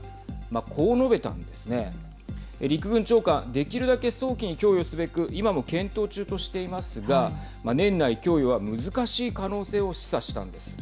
できるだけ早期に供与すべく今も検討中としていますが年内供与は難しい可能性を示唆したんです。